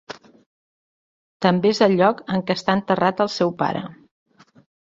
També és el lloc en què està enterrat el seu pare.